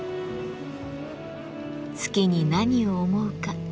月に何を思うか。